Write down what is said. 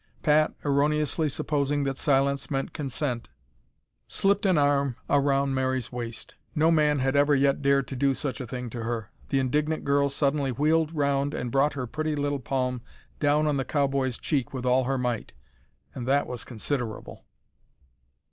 Pat, erroneously supposing that silence meant consent, slipped an arm round Mary's waist. No man had ever yet dared to do such a thing to her. The indignant girl suddenly wheeled round and brought her pretty little palm down on the cow boy's cheek with all her might and that was considerable!